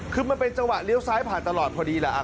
คือมันเป็นจังหวะเลี้ยวซ้ายผ่านตลอดพอดีแหละ